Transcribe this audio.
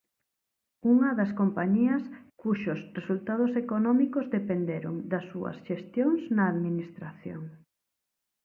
Unha das compañías cuxos resultados económicos dependeron das súas xestións na Administración.